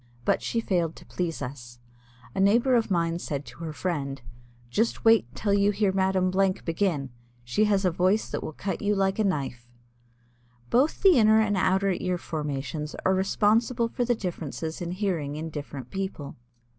But she failed to please us. A neighbor of mine said to her friend: "Just wait till you hear Madame Blank begin. She has a voice that will cut you like a knife." Both the inner and outer ear formations are responsible for the differences in hearing in different people.